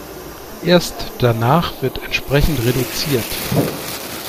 Erst danach wird entsprechend reduziert.